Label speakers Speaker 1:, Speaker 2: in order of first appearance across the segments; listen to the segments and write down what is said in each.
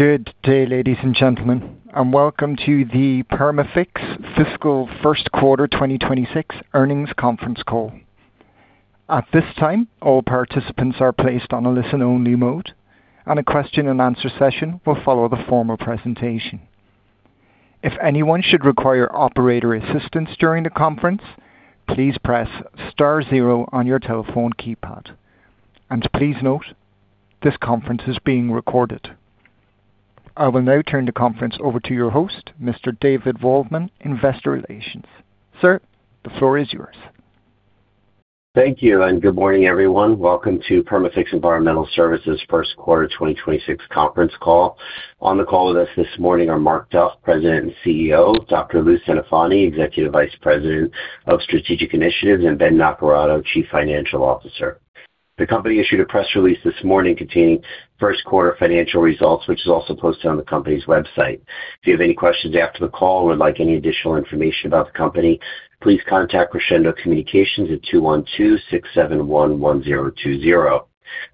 Speaker 1: Good day, ladies and gentlemen, welcome to the Perma-Fix Fiscal First Quarter 2026 earnings conference call. At this time, all participants are placed on a listen-only mode, a question-and-answer session will follow the formal presentation. If anyone should require operator assistance during the conference, please press star zero on your telephone keypad. Please note, this conference is being recorded. I will now turn the conference over to your host, Mr. David Waldman, Investor Relations. Sir, the floor is yours.
Speaker 2: Thank you, good morning, everyone. Welcome to Perma-Fix Environmental Services first quarter 2026 conference call. On the call with us this morning are Mark Duff, President and CEO, Dr. Louis Centofanti, Executive Vice President of Strategic Initiatives, and Ben Naccarato, Chief Financial Officer. The company issued a press release this morning containing first quarter financial results, which is also posted on the company's website. If you have any questions after the call or would like any additional information about the company, please contact Crescendo Communications at 212-671-1020.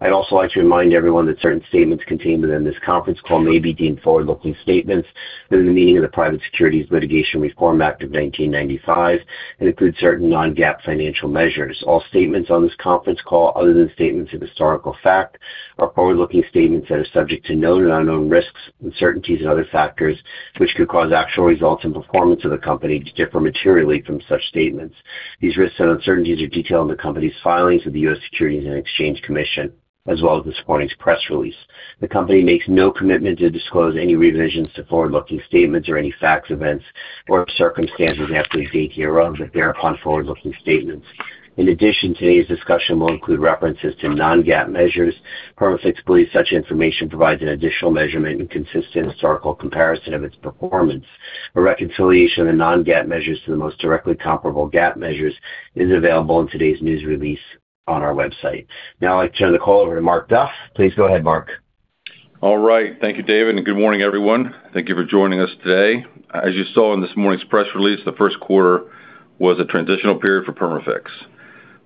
Speaker 2: I'd also like to remind everyone that certain statements contained within this conference call may be deemed forward-looking statements within the meaning of the Private Securities Litigation Reform Act of 1995 and include certain non-GAAP financial measures. All statements on this conference call, other than statements of historical fact, are forward-looking statements that are subject to known and unknown risks, uncertainties and other factors which could cause actual results and performance of the company to differ materially from such statements. These risks and uncertainties are detailed in the company's filings with the U.S. Securities and Exchange Commission, as well as this morning's press release. The company makes no commitment to disclose any revisions to forward-looking statements or any facts, events, or circumstances after the date hereof that bear upon forward-looking statements. Today's discussion will include references to non-GAAP measures. Perma-Fix believes such information provides an additional measurement and consistent historical comparison of its performance. A reconciliation of non-GAAP measures to the most directly comparable GAAP measures is available in today's news release on our website. Now I'd like to turn the call over to Mark Duff. Please go ahead, Mark.
Speaker 3: All right. Thank you, David. Good morning, everyone. Thank you for joining us today. As you saw in this morning's press release, the first quarter was a transitional period for Perma-Fix.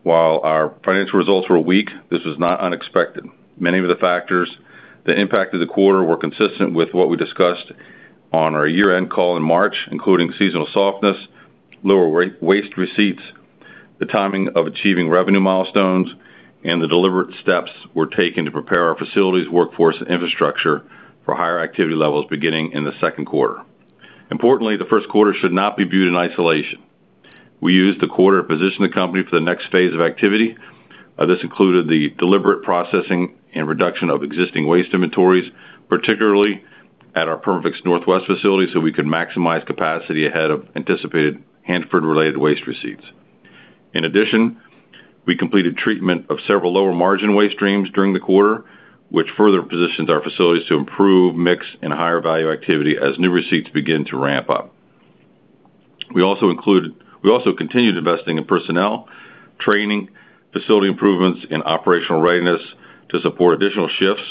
Speaker 3: While our financial results were weak, this was not unexpected. Many of the factors that impacted the quarter were consistent with what we discussed on our year-end call in March, including seasonal softness, lower waste receipts, the timing of achieving revenue milestones, and the deliberate steps we're taking to prepare our facilities, workforce, and infrastructure for higher activity levels beginning in the second quarter. Importantly, the first quarter should not be viewed in isolation. We used the quarter to position the company for the next phase of activity. This included the deliberate processing and reduction of existing waste inventories, particularly at our Perma-Fix Northwest facility, so we could maximize capacity ahead of anticipated Hanford-related waste receipts. We completed treatment of several lower-margin waste streams during the quarter, which further positions our facilities to improve mix and higher value activity as new receipts begin to ramp up. We continued investing in personnel, training, facility improvements, and operational readiness to support additional shifts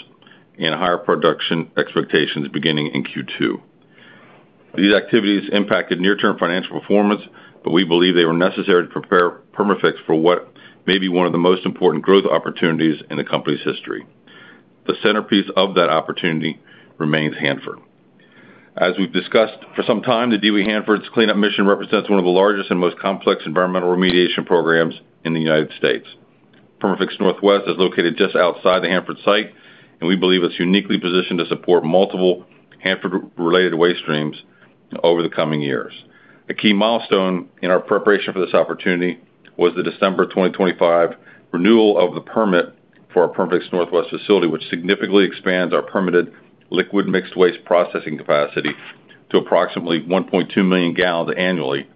Speaker 3: and higher production expectations beginning in Q2. These activities impacted near-term financial performance, we believe they were necessary to prepare Perma-Fix for what may be one of the most important growth opportunities in the company's history. The centerpiece of that opportunity remains Hanford. We've discussed for some time, the DOE Hanford's cleanup mission represents one of the largest and most complex environmental remediation programs in the U.S. Perma-Fix Northwest is located just outside the Hanford site, we believe it's uniquely positioned to support multiple Hanford-related waste streams over the coming years. A key milestone in our preparation for this opportunity was the December 2025 renewal of the permit for our Perma-Fix Northwest facility, which significantly expands our permitted liquid mixed waste processing capacity to approximately 1.2 million gal annually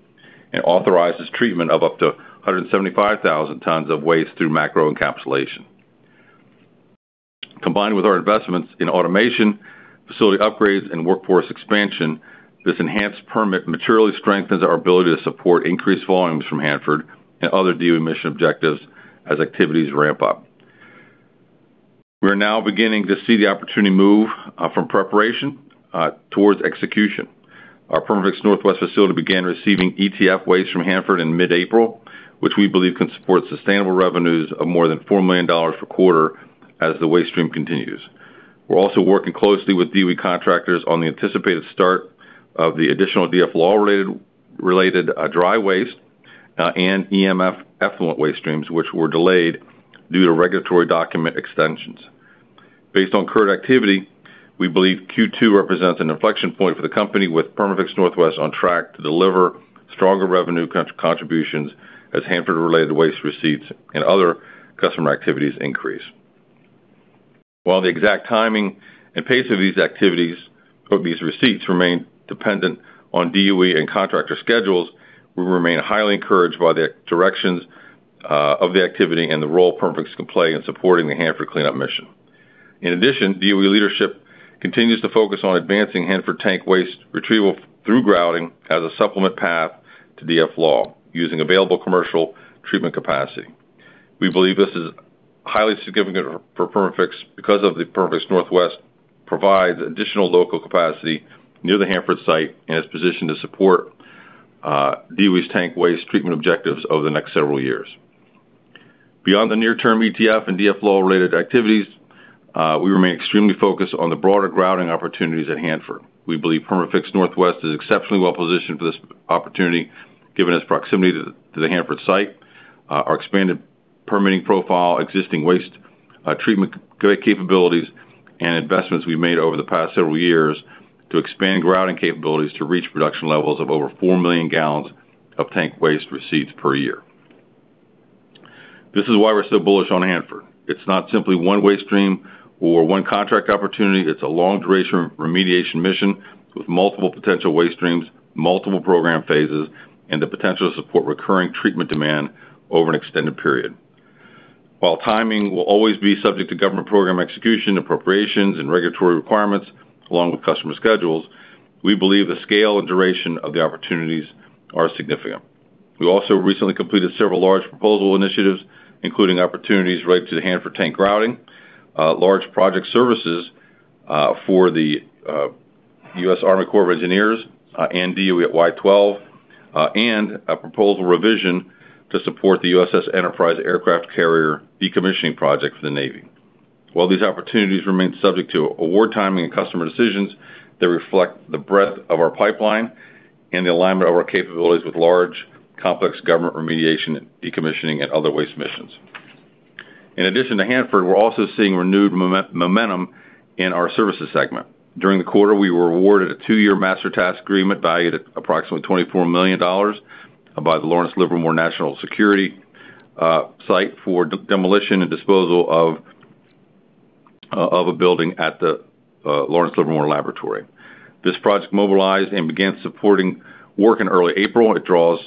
Speaker 3: and authorizes treatment of up to 175,000 tons of waste through macroencapsulation. Combined with our investments in automation, facility upgrades, and workforce expansion, this enhanced permit materially strengthens our ability to support increased volumes from Hanford and other DOE mission objectives as activities ramp up. We are now beginning to see the opportunity move from preparation towards execution. Our Perma-Fix Northwest facility began receiving ETF waste from Hanford in mid-April, which we believe can support sustainable revenues of more than $4 million per quarter as the waste stream continues. We're also working closely with DOE contractors on the anticipated start of the additional DFLAW related dry waste and EMF effluent waste streams, which were delayed due to regulatory document extensions. Based on current activity, we believe Q2 represents an inflection point for the company with Perma-Fix Northwest on track to deliver stronger revenue contributions as Hanford-related waste receipts and other customer activities increase. While the exact timing and pace of these activities of these receipts remain dependent on DOE and contractor schedules, we remain highly encouraged by the directions of the activity and the role Perma-Fix can play in supporting the Hanford cleanup mission. In addition, DOE leadership continues to focus on advancing Hanford tank waste retrieval through grouting as a supplement path to DFLAW using available commercial treatment capacity. We believe this is highly significant for Perma-Fix because Perma-Fix Northwest provides additional local capacity near the Hanford site and is positioned to support DOE's tank waste treatment objectives over the next several years. Beyond the near term ETF and DFLAW related activities, we remain extremely focused on the broader grouting opportunities at Hanford. We believe Perma-Fix Northwest is exceptionally well-positioned for this opportunity given its proximity to the Hanford site, our expanded permitting profile, existing waste treatment capabilities and investments we've made over the past several years to expand grouting capabilities to reach production levels of over 4 million gal of tank waste receipts per year. This is why we're so bullish on Hanford. It's not simply one waste stream or one contract opportunity. It's a long duration remediation mission with multiple potential waste streams, multiple program phases, and the potential to support recurring treatment demand over an extended period. While timing will always be subject to government program execution, appropriations and regulatory requirements along with customer schedules, we believe the scale and duration of the opportunities are significant. We also recently completed several large proposal initiatives, including opportunities related to the Hanford tank grouting, large project services, for the U.S. Army Corps of Engineers, and DOE at Y-12, and a proposal revision to support the USS Enterprise aircraft carrier decommissioning project for the Navy. While these opportunities remain subject to award timing and customer decisions, they reflect the breadth of our pipeline and the alignment of our capabilities with large, complex government remediation and decommissioning and other waste missions. In addition to Hanford, we're also seeing renewed momentum in our services segment. During the quarter, we were awarded a two-year master task agreement valued at approximately $24 million by the Lawrence Livermore National Security site for demolition and disposal of a building at the Lawrence Livermore National Laboratory. This project mobilized and began supporting work in early April. It draws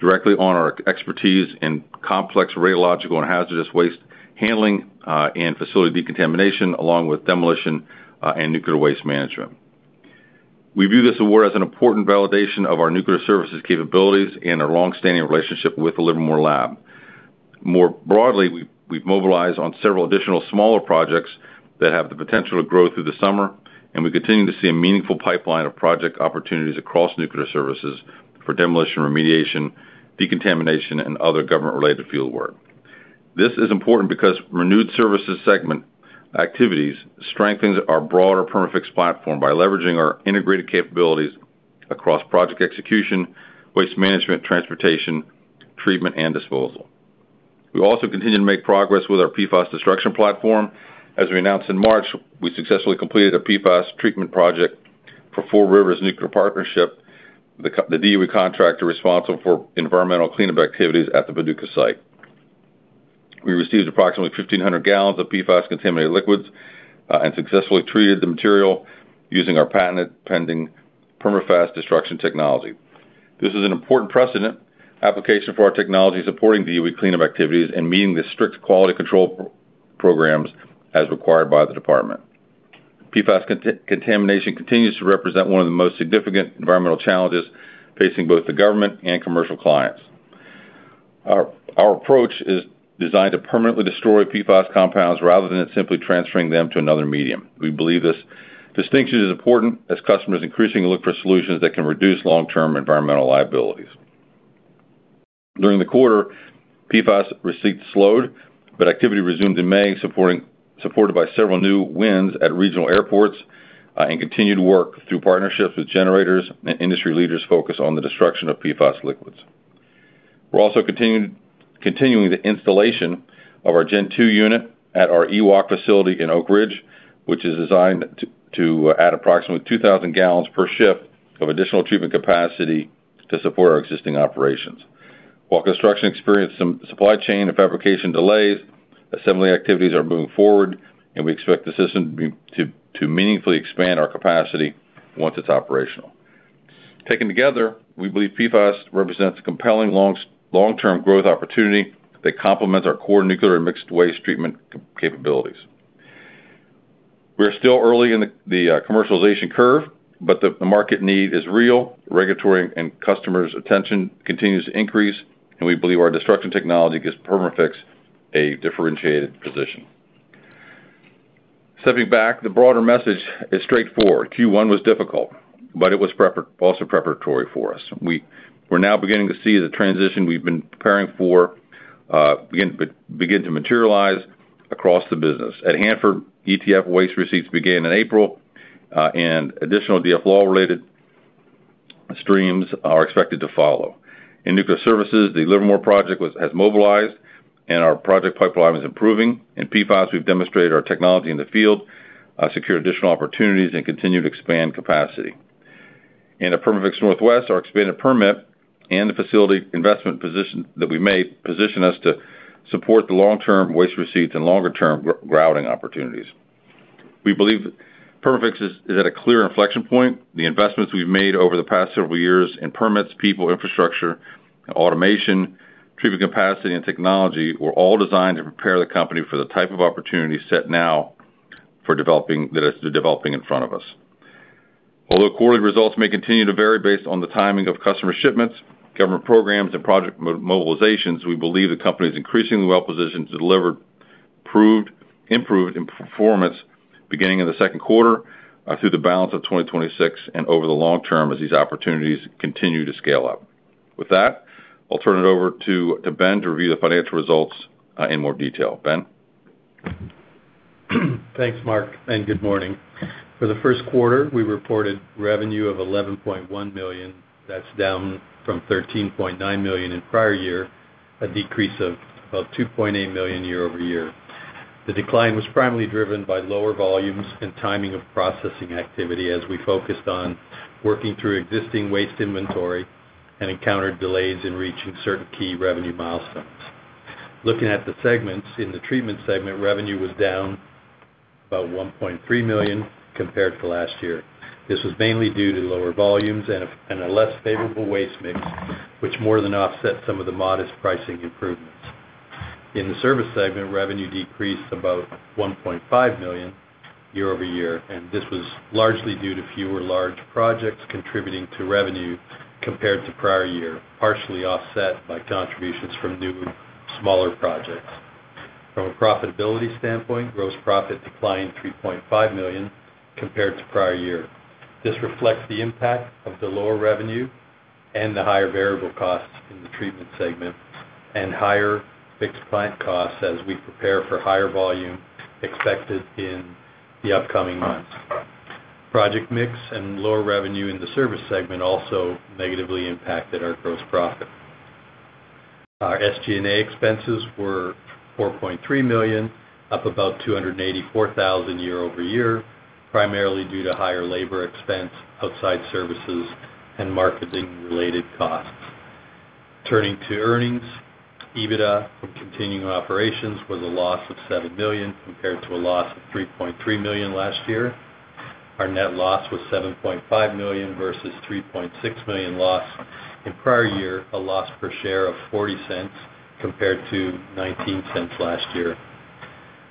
Speaker 3: directly on our expertise in complex radiological and hazardous waste handling, and facility decontamination, along with demolition, and nuclear waste management. We view this award as an important validation of our nuclear services capabilities and our long-standing relationship with the Livermore Lab. More broadly, we've mobilized on several additional smaller projects that have the potential to grow through the summer, and we continue to see a meaningful pipeline of project opportunities across nuclear services for demolition, remediation, decontamination, and other government-related field work. This is important because renewed services segment activities strengthens our broader Perma-Fix platform by leveraging our integrated capabilities across project execution, waste management, transportation, treatment, and disposal. We also continue to make progress with our PFAS destruction platform. As we announced in March, we successfully completed a PFAS treatment project for Four Rivers Nuclear Partnership, the DOE contractor responsible for environmental cleanup activities at the Paducah site. We received approximately 1,500 gal of PFAS contaminated liquids and successfully treated the material using our patent pending Perma-FAS destruction technology. This is an important precedent application for our technology supporting DOE cleanup activities and meeting the strict quality control programs as required by the department. PFAS contamination continues to represent one of the most significant environmental challenges facing both the government and commercial clients. Our approach is designed to permanently destroy PFAS compounds rather than simply transferring them to another medium. We believe this distinction is important as customers increasingly look for solutions that can reduce long-term environmental liabilities. During the quarter, PFAS receipts slowed, activity resumed in May, supported by several new wins at regional airports, and continued work through partnerships with generators and industry leaders focused on the destruction of PFAS liquids. We're also continuing the installation of our Gen 2 Unit at our EWOC facility in Oak Ridge, which is designed to add approximately 2,000 gal per shift of additional treatment capacity to support our existing operations. While construction experienced some supply chain and fabrication delays, assembly activities are moving forward, we expect the system to meaningfully expand our capacity once it's operational. Taken together, we believe PFAS represents a compelling long-term growth opportunity that complements our core nuclear and mixed waste treatment capabilities. We are still early in the commercialization curve, the market need is real. Regulatory and customers' attention continues to increase, we believe our destruction technology gives Perma-Fix a differentiated position. Stepping back, the broader message is straightforward. Q1 was difficult, it was also preparatory for us. We're now beginning to see the transition we've been preparing for begin to materialize across the business. At Hanford, ETF waste receipts began in April, additional DFLAW related streams are expected to follow. In nuclear services, the Livermore project has mobilized our project pipeline is improving. In PFAS, we've demonstrated our technology in the field, secured additional opportunities continue to expand capacity. In the Perma-Fix Northwest, our expanded permit and the facility investment that we made position us to support the long-term waste receipts and longer-term grouting opportunities. We believe Perma-Fix is at a clear inflection point. The investments we've made over the past several years in permits, people, infrastructure, automation, treatment capacity, and technology were all designed to prepare the company for the type of opportunities set now that is developing in front of us. Although quarterly results may continue to vary based on the timing of customer shipments, government programs, and project mobilizations, we believe the company is increasingly well positioned to deliver improved performance beginning in the second quarter through the balance of 2026 and over the long term as these opportunities continue to scale up. With that, I'll turn it over to Ben to review the financial results in more detail. Ben?
Speaker 4: Thanks, Mark. Good morning. For the first quarter, we reported revenue of $11.1 million. That's down from $13.9 million in prior year, a decrease of about $2.8 million year-over-year. The decline was primarily driven by lower volumes and timing of processing activity as we focused on working through existing waste inventory and encountered delays in reaching certain key revenue milestones. Looking at the segments, in the treatment segment, revenue was down about $1.3 million compared to last year. This was mainly due to lower volumes and a less favorable waste mix, which more than offset some of the modest pricing improvements. In the service segment, revenue decreased about $1.5 million year-over-year. This was largely due to fewer large projects contributing to revenue compared to prior year, partially offset by contributions from new smaller projects. From a profitability standpoint, gross profit declined $3.5 million compared to prior year. This reflects the impact of the lower revenue and the higher variable costs in the treatment segment and higher fixed plant costs as we prepare for higher volume expected in the upcoming months. Project mix and lower revenue in the service segment also negatively impacted our gross profit. Our SG&A expenses were $4.3 million, up about $284,000 year-over-year, primarily due to higher labor expense, outside services, and marketing related costs. Turning to earnings, EBITDA from continuing operations was a loss of $7 million compared to a loss of $3.3 million last year. Our net loss was $7.5 million versus $3.6 million loss in prior year, a loss per share of $0.40 compared to $0.19 last year.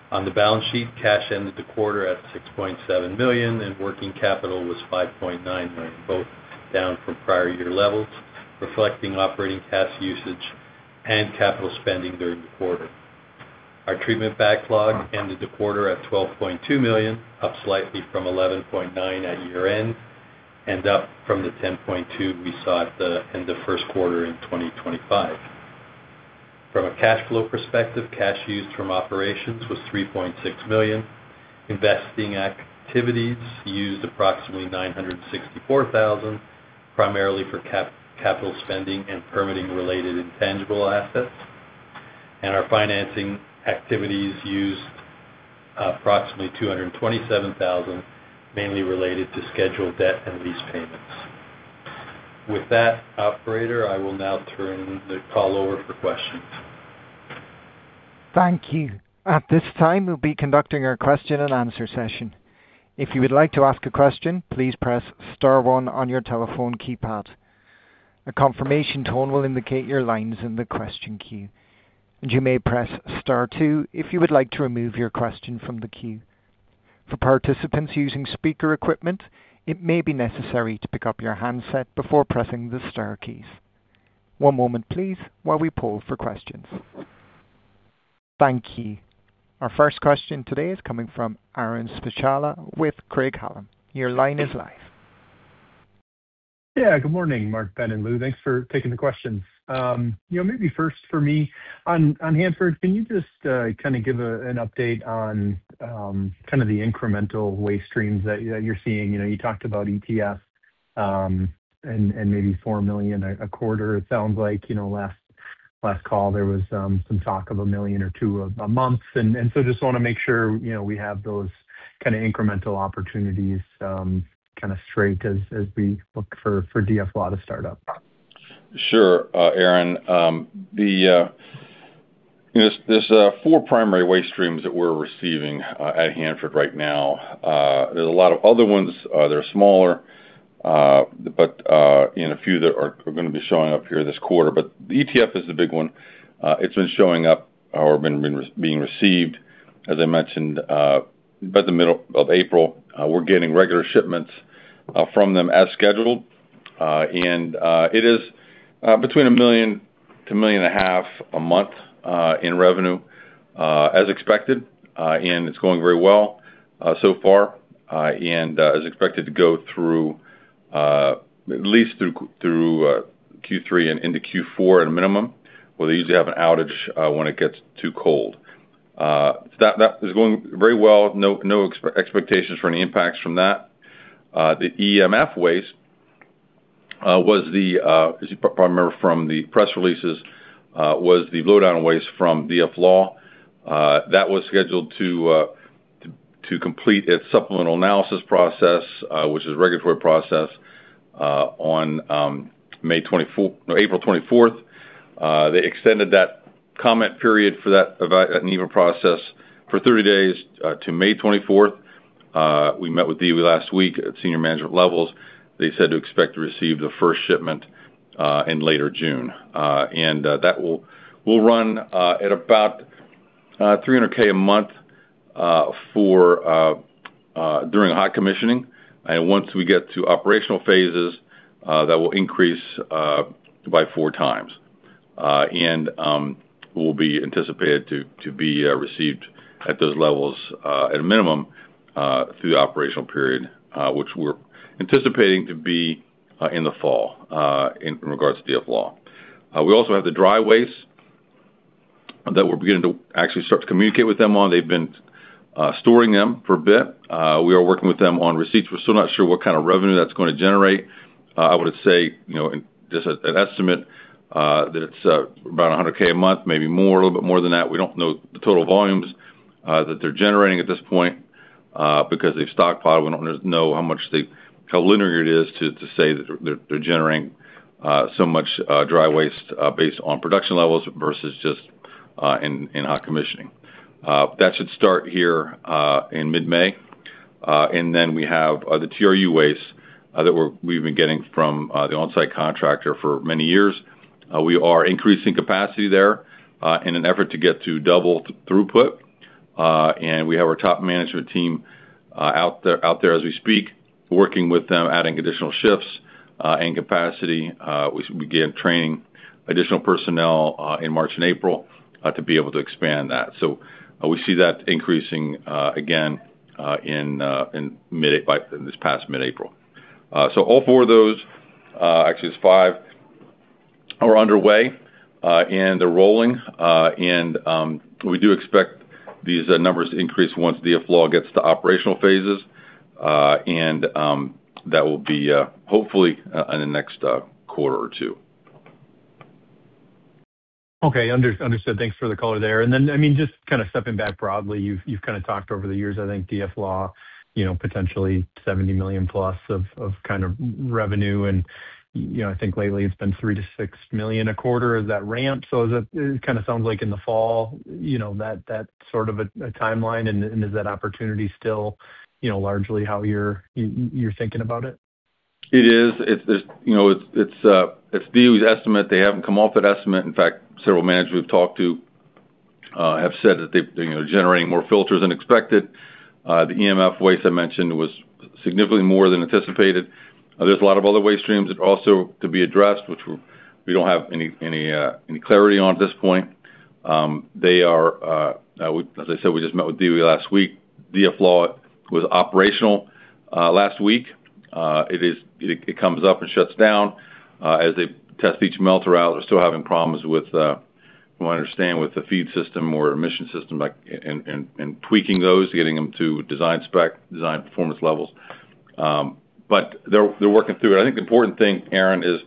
Speaker 4: On the balance sheet, cash ended the quarter at $6.7 million, and working capital was $5.9 million, both down from prior year levels, reflecting operating cash usage and capital spending during the quarter. Our treatment backlog ended the quarter at $12.2 million, up slightly from $11.9 million at year-end, and up from the $10.2 million we saw in the first quarter in 2025. From a cash flow perspective, cash used from operations was $3.6 million. Investing activities used approximately $964,000, primarily for capital spending and permitting-related intangible assets. Our financing activities used approximately $227,000, mainly related to scheduled debt and lease payments. With that, operator, I will now turn the call over for questions.
Speaker 1: Thank you. At this time, we'll be conducting our question and answer session. If you would like to ask a question, please press star one on your telephone keypad. A confirmation tone will indicate your line is in the question queue. You may press star two if you would like to remove your question from the queue. For participants using speaker equipment, it may be necessary to pick up your handset before pressing the star keys. One moment, please, while we poll for questions. Thank you. Our first question today is coming from Aaron Spychalla with Craig-Hallum. Your line is live.
Speaker 5: Yeah, good morning, Mark, Ben, and Lou. Thanks for taking the questions. You know, maybe first for me on Hanford, can you just kinda give an update on kind of the incremental waste streams that you're seeing? You know, you talked about ETF and maybe $4 million a quarter it sounds like. You know, last call there was some talk of $1 million or $2 million a month. So just wanna make sure, you know, we have those kinda incremental opportunities kinda straight as we look for DFLAW to start up.
Speaker 3: Sure, Aaron. you know, there's four primary waste streams that we're receiving at Hanford right now. There's a lot of other ones that are smaller, but, and a few that are gonna be showing up here this quarter. ETF is the big one. It's been showing up or being received, as I mentioned, by the middle of April. We're getting regular shipments from them as scheduled. It is between $1 million-$1.5 million a month in revenue as expected. It's going very well so far. It is expected to go through at least through Q3 and into Q4 at a minimum, where they usually have an outage when it gets too cold. That is going very well. No expectations for any impacts from that. The EMF waste, as you probably remember from the press releases, was the low-level waste from DFLAW. That was scheduled to complete its supplemental analysis process, which is regulatory process, on April 24th. They extended that comment period for that NEPA process for 30 days to May 24th. We met with DOE last week at senior management levels. They said to expect to receive the first shipment in late June. That will run at about $300,000 a month for during hot commissioning. Once we get to operational phases, that will increase by four times. It will be anticipated to be received at those levels, at a minimum, through the operational period, which we're anticipating to be in the fall in regards to DFLAW. We also have the dry waste that we're beginning to actually start to communicate with them on. They've been storing them for a bit. We are working with them on receipts. We're still not sure what kind of revenue that's gonna generate. I would say, you know, just as an estimate, that it's about $100,000 a month, maybe more, a little bit more than that. We don't know the total volumes that they're generating at this point because they've stockpiled. We don't know how linear it is to say that they're generating so much dry waste based on production levels versus just in hot commissioning. That should start here in mid-May. Then we have the TRU waste that we've been getting from the onsite contractor for many years. We are increasing capacity there in an effort to get to double throughput. We have our top management team out there as we speak, working with them, adding additional shifts and capacity. We should begin training additional personnel in March and April to be able to expand that. We see that increasing, again, by this past mid-April. All four of those, actually it's five, are underway, and they're rolling. We do expect these numbers to increase once DFLAW gets to operational phases. That will be, hopefully, in the next quarter or two.
Speaker 5: Okay. Understood. Thanks for the color there. Then, I mean, just kind of stepping back broadly, you've kind of talked over the years, I think DFLAW, you know, potentially $70+ million of kind of revenue and, you know, I think lately it's been $3 million-$6 million a quarter. Is that ramped? It kind of sounds like in the fall, you know, that sort of a timeline and is that opportunity still, you know, largely how you're thinking about it?
Speaker 3: It is. It's, you know, DOE's estimate. They haven't come off that estimate. In fact, several managers we've talked to have said that they've generating more filters than expected. The EMF waste I mentioned was significantly more than anticipated. There's a lot of other waste streams that also to be addressed, which we don't have any clarity on at this point. As I said, we just met with DOE last week. DFLAW was operational last week. It comes up and shuts down as they test each melter out. They're still having problems with, from what I understand, with the feed system or emission system and tweaking those, getting them to design spec, performance levels. They're working through it. I think the important thing, Aaron, is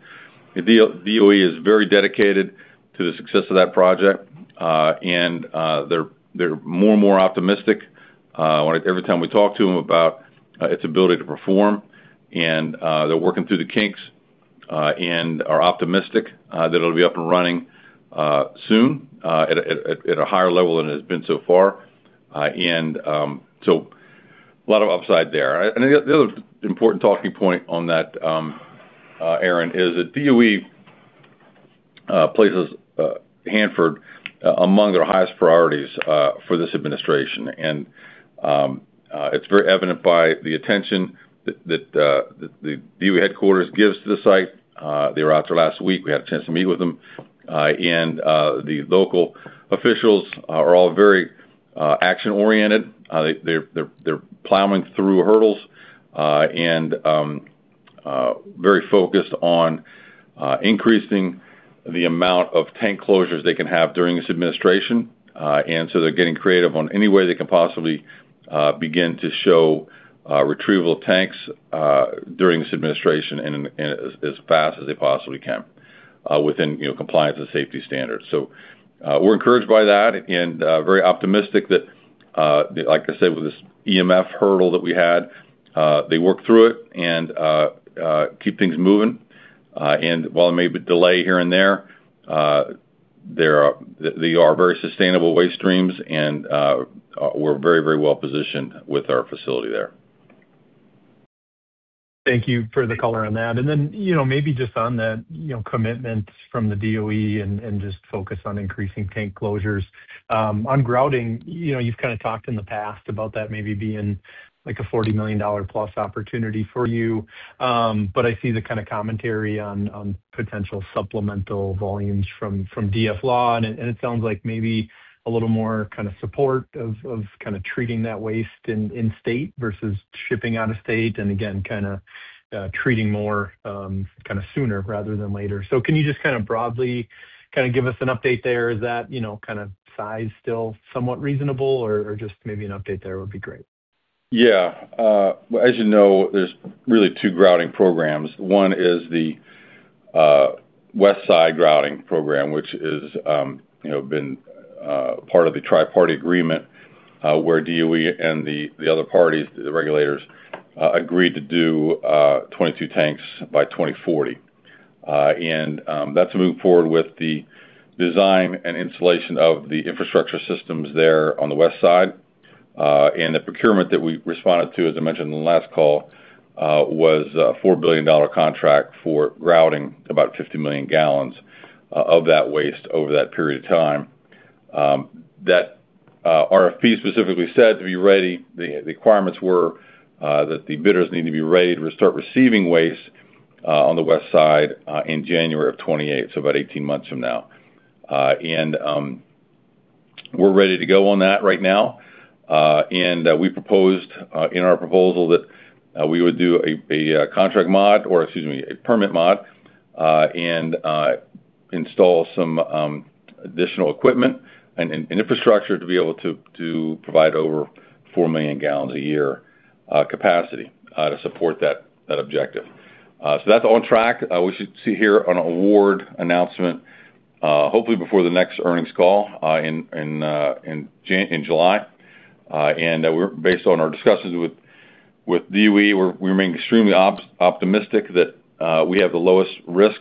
Speaker 3: the DOE is very dedicated to the success of that project. They're more and more optimistic every time we talk to them about its ability to perform. They're working through the kinks and are optimistic that it'll be up and running soon at a higher level than it has been so far. A lot of upside there. The other important talking point on that, Aaron, is that DOE places Hanford among their highest priorities for this administration. It's very evident by the attention that the DOE headquarters gives to the site. They were out there last week. We had a chance to meet with them. The local officials are all very action-oriented. They're plowing through hurdles and very focused on increasing the amount of tank closures they can have during this administration. They're getting creative on any way they can possibly begin to show retrieval of tanks during this administration as fast as they possibly can within, you know, compliance and safety standards. We're encouraged by that and very optimistic that, like I said, with this EMF hurdle that we had, they work through it and keep things moving. While it may be a delay here and there, they are very sustainable waste streams, and we're very well positioned with our facility there.
Speaker 5: Thank you for the color on that. Then, you know, maybe just on that, you know, commitment from the DOE and just focus on increasing tank closures. On grouting, you know, you've kind of talked in the past about that maybe being like a $40+ million opportunity for you. But I see the kind of commentary on potential supplemental volumes from DFLAW, and it sounds like maybe a little more kind of support of kind of treating that waste in state versus shipping out of state and again, kind of treating more kind of sooner rather than later. Can you just kind of broadly kind of give us an update there? Is that, you know, kind of size still somewhat reasonable or just maybe an update there would be great.
Speaker 3: Yeah. As you know, there's really two grouting programs. One is the West Side grouting program, which is, you know, been part of the Tri-Party Agreement, where DOE and the other parties, the regulators, agreed to do 22 tanks by 2040. That's to move forward with the design and installation of the infrastructure systems there on the west side. The procurement that we responded to, as I mentioned in the last call, was a $4 billion contract for grouting about 50 million gal of that waste over that period of time. That RFP specifically said to be ready, the requirements were, that the bidders need to be ready to start receiving waste on the west side in January 2028, so about 18 months from now. We're ready to go on that right now. We proposed in our proposal that we would do a contract mod or, excuse me, a permit mod, and install some additional equipment and infrastructure to be able to provide over 4 million gal a year capacity to support that objective. That's on track. We should see here an award announcement hopefully before the next earnings call in July. Based on our discussions with DOE, we remain extremely optimistic that we have the lowest risk,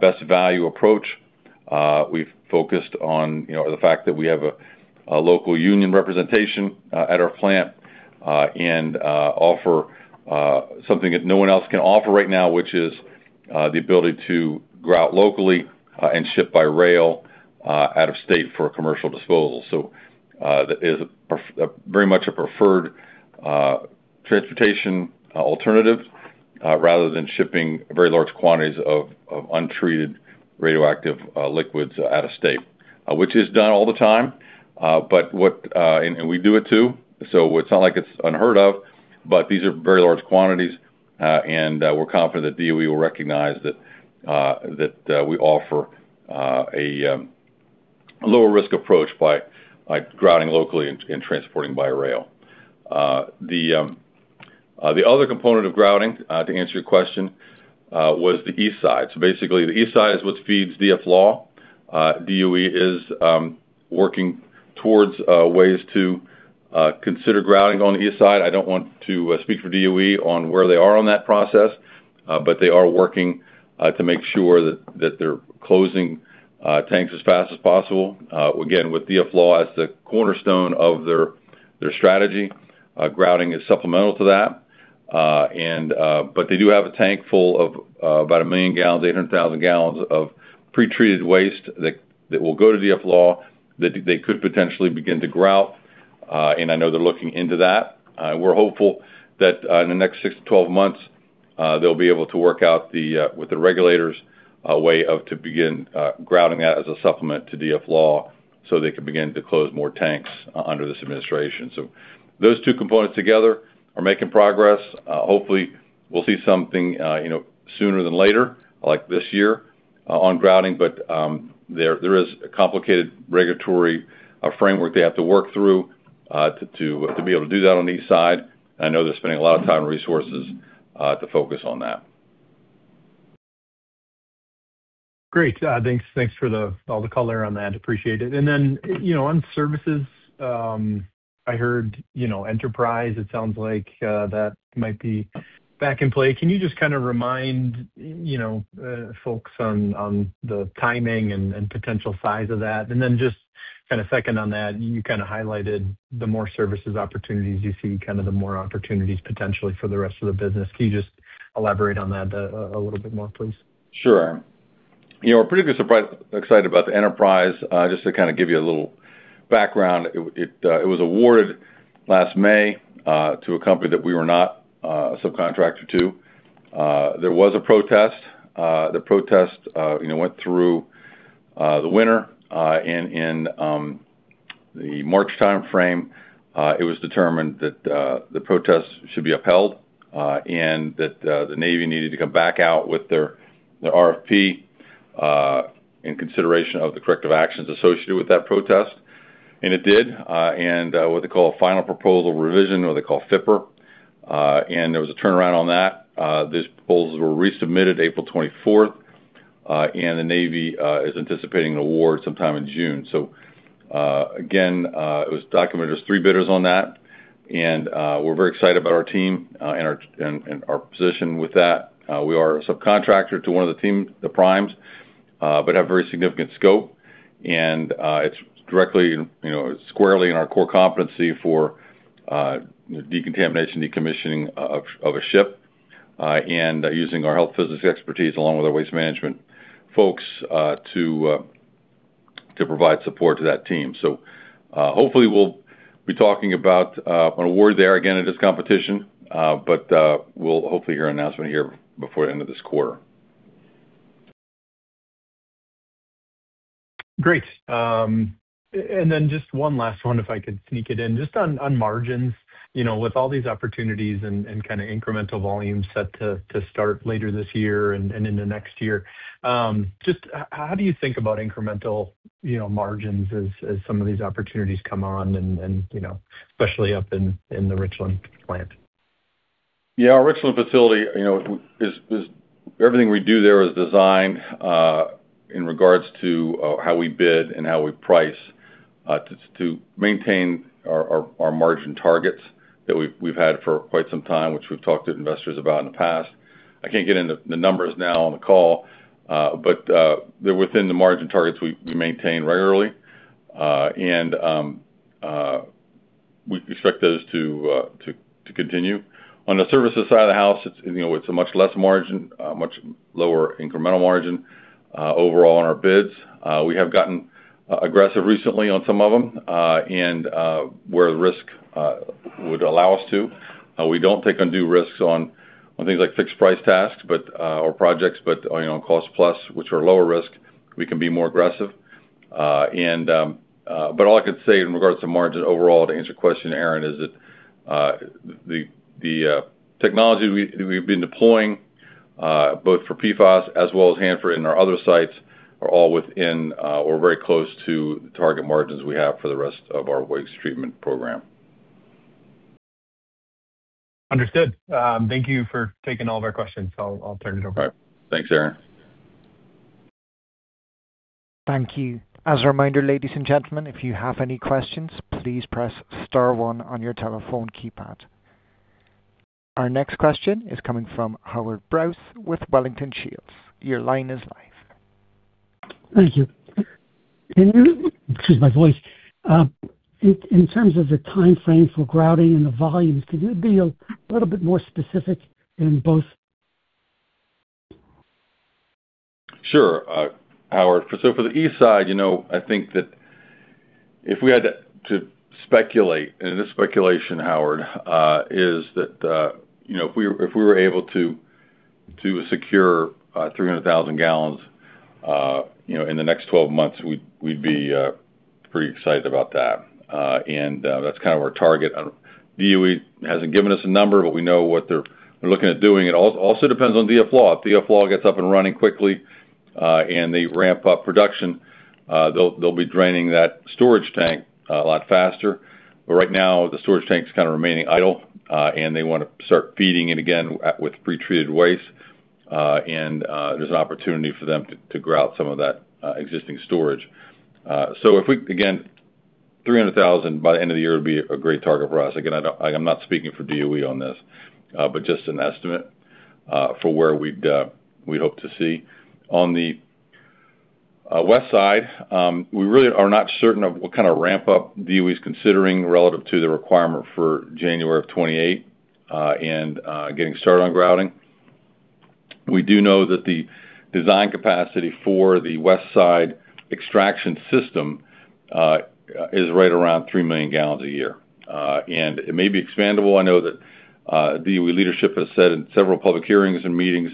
Speaker 3: best value approach. We've focused on, you know, the fact that we have a local union representation at our plant and offer something that no one else can offer right now, which is the ability to grout locally and ship by rail out of state for commercial disposal. That is a very much preferred transportation alternative rather than shipping very large quantities of untreated radioactive liquids out of state. Which is done all the time, and we do it too, so it's not like it's unheard of, but these are very large quantities, and we're confident that DOE will recognize that we offer a lower risk approach by, like, grouting locally and transporting by rail. The other component of grouting, to answer your question, was the east side. Basically, the east side is what feeds DFLAW. DOE is working towards ways to consider grouting on the east side. I don't want to speak for DOE on where they are on that process, but they are working to make sure that they're closing tanks as fast as possible. Again, with DFLAW as the cornerstone of their strategy, grouting is supplemental to that. They do have a tank full of about 1 million gal, 800,000 gal of pre-treated waste that will go to DFLAW that they could potentially begin to grout, and I know they're looking into that. We're hopeful that in the next six to 12 months, they'll be able to work out with the regulators a way to begin grouting that as a supplement to DFLAW so they can begin to close more tanks under this administration. Those two components together are making progress. Hopefully we'll see something, you know, sooner than later, like this year, on grouting, but there is a complicated regulatory framework they have to work through to be able to do that on the east side. I know they're spending a lot of time and resources to focus on that.
Speaker 5: Great. Thanks for all the color on that. Appreciate it. Then, you know, on services, I heard, you know, Enterprise, it sounds like that might be back in play. Can you just kinda remind you know folks on the timing and potential size of that? Then just kinda second on that, you kinda highlighted the more services opportunities you see, kind of the more opportunities potentially for the rest of the business. Can you just elaborate on that a little bit more, please?
Speaker 3: Sure. You know, we're pretty excited about the Enterprise. Just to kind of give you a little background, it was awarded last May to a company that we were not a subcontractor to. There was a protest. The protest, you know, went through the winter, and in the March timeframe, it was determined that the protest should be upheld, and that the Navy needed to come back out with their RFP in consideration of the corrective actions associated with that protest. It did, and what they call a final proposal revision or they call FPR. There was a turnaround on that. These proposals were resubmitted April 24th, and the Navy is anticipating an award sometime in June. Again, it was documented as three bidders on that. We're very excited about our team and our position with that. We are a subcontractor to one of the team, the primes, but have very significant scope. It's directly, you know, squarely in our core competency for decontamination, decommissioning of a ship, and using our health physics expertise along with our waste management folks to provide support to that team. Hopefully we'll be talking about an award there again in this competition, but we'll hopefully hear an announcement here before the end of this quarter.
Speaker 5: Great. And then just one last one, if I could sneak it in. Just on margins, you know, with all these opportunities and kinda incremental volumes set to start later this year and into next year, how do you think about incremental, you know, margins as some of these opportunities come on and, you know, especially up in the Richland plant?
Speaker 3: Our Richland facility, you know, is everything we do there is designed in regards to how we bid and how we price to maintain our margin targets that we've had for quite some time, which we've talked to investors about in the past. I can't get into the numbers now on the call, but they're within the margin targets we maintain regularly. We expect those to continue. On the services side of the house, it's, you know, it's a much less margin, much lower incremental margin overall on our bids. We have gotten aggressive recently on some of them, and where the risk would allow us to. We don't take undue risks on things like fixed price tasks or projects, but you know, on cost plus, which are lower risk, we can be more aggressive. All I could say in regards to margin overall, to answer your question, Aaron, is that the technology we've been deploying both for PFAS as well as Hanford and our other sites are all within or very close to the target margins we have for the rest of our waste treatment program.
Speaker 5: Understood. Thank you for taking all of our questions. I'll turn it over.
Speaker 3: All right. Thanks, Aaron.
Speaker 1: Thank you. As a reminder, ladies and gentlemen, if you have any questions, please press star one on your telephone keypad. Our next question is coming from Howard Brous with Wellington Shields. Your line is live.
Speaker 6: Thank you. Excuse my voice. In terms of the timeframe for grouting and the volumes, can you be a little bit more specific in both?
Speaker 3: Sure, Howard. For the east side, you know, I think that if we had to speculate, and this is speculation, Howard, that you know, if we were able to secure 300,000 gal in the next 12 months, we'd be pretty excited about that. That's kind of our target. DOE hasn't given us a number, but we know what they're looking at doing. It also depends on DFLAW. If DFLAW gets up and running quickly, and they ramp up production, they'll be draining that storage tank a lot faster. Right now, the storage tank's kind of remaining idle, and they want to start feeding it again with pre-treated waste. There's an opportunity for them to grout some of that existing storage. Again, 300,000 by the end of the year would be a great target for us. Again, I am not speaking for DOE on this, but just an estimate for where we'd hope to see. On the west side, we really are not certain of what kind of ramp up DOE is considering relative to the requirement for January of 2028 and getting started on grouting. We do know that the design capacity for the west side extraction system is right around 3 million gal a year. It may be expandable. I know that DOE leadership has said in several public hearings and meetings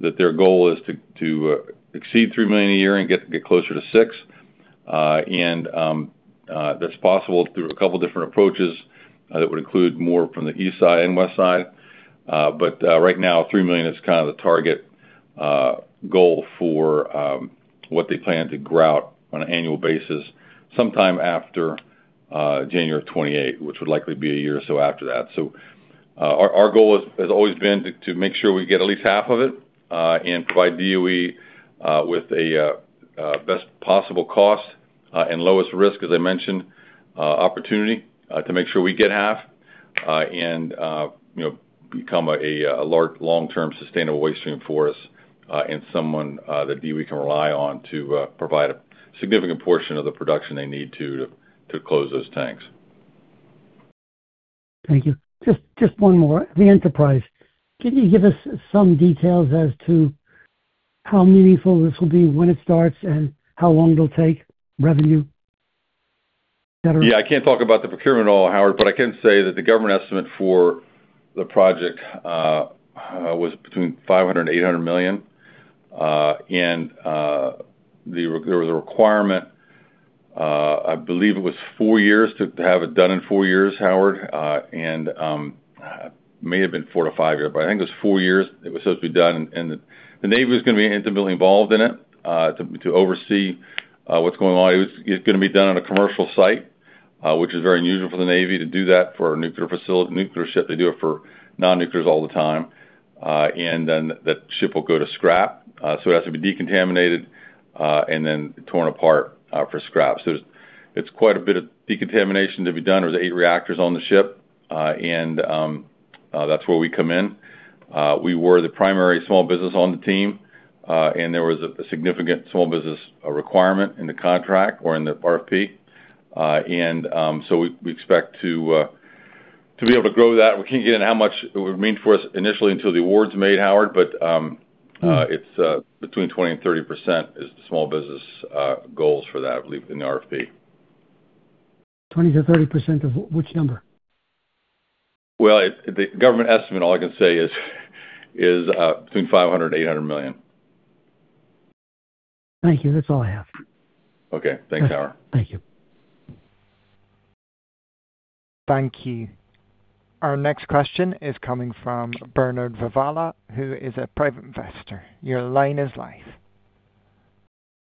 Speaker 3: that their goal is to exceed 3 million gal a year and get closer to 6 million gal. That's possible through a couple different approaches that would include more from the east side and west side. Right now, 3 million gal is kind of the target goal for what they plan to grout on an annual basis sometime after January of 2028, which would likely be a year or so after that. Our goal has always been to make sure we get at least half of it and provide DOE with a best possible cost and lowest risk, as I mentioned, opportunity to make sure we get half and you know become a long-term sustainable waste stream for us and someone that DOE can rely on to provide a significant portion of the production they need to close those tanks.
Speaker 6: Thank you. Just one more. The Enterprise. Can you give us some details as to how meaningful this will be, when it starts, and how long it'll take, revenue, etc?
Speaker 3: Yeah. I can't talk about the procurement at all, Howard, but I can say that the government estimate for the project was between $500 million-$800 million. There was a requirement, I believe it was four years, to have it done in four years, Howard. May have been four to five years, but I think it was four years it was supposed to be done. The Navy was gonna be intimately involved in it to oversee what's going on. It's gonna be done on a commercial site, which is very unusual for the Navy to do that for a nuclear ship. They do it for non-nuclears all the time. Then that ship will go to scrap, so it has to be decontaminated, and then torn apart, for scrap. There's quite a bit of decontamination to be done. There's eight reactors on the ship, and that's where we come in. We were the primary small business on the team, and there was a significant small business requirement in the contract or in the RFP. We expect to be able to grow that. We can't get into how much it would mean for us initially until the award's made, Howard, but it's between 20% and 30% is the small business goals for that, I believe, in the RFP.
Speaker 6: 20%-30% of which number?
Speaker 3: Well, the government estimate, all I can say is, between $500 million and $800 million.
Speaker 6: Thank you. That is all I have.
Speaker 3: Okay. Thanks, Howard.
Speaker 6: Thank you.
Speaker 1: Thank you. Our next question is coming from Bernard Vavala, who is a private investor. Your line is live.